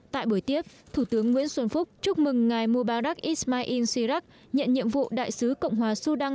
tại buổi tiếp thủ tướng nguyễn xuân phúc chúc mừng ngài mubadak ismail sirak nhận nhiệm vụ đại sứ cộng hòa sudan